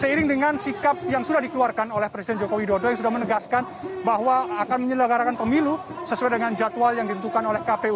seiring dengan sikap yang sudah dikeluarkan oleh presiden joko widodo yang sudah menegaskan bahwa akan menyelenggarakan pemilu sesuai dengan jadwal yang ditentukan oleh kpu